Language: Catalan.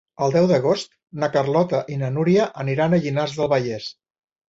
El deu d'agost na Carlota i na Núria aniran a Llinars del Vallès.